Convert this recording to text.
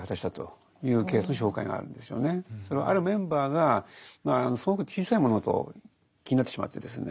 あるメンバーがすごく小さい物事を気になってしまってですね